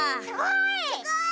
すごい！